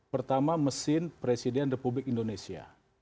pertama mesin presiden republik indonesia